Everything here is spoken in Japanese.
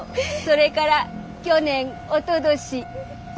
それから去年おととし。